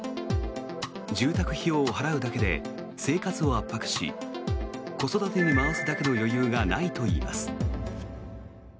住宅費用を払うだけで生活を圧迫し子育てに回すだけの余裕がないといいます。